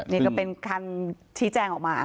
นี่ก็เป็นคำชี้แจงออกมา